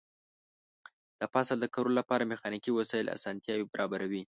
د فصل د کرلو لپاره میخانیکي وسایل اسانتیاوې برابروي.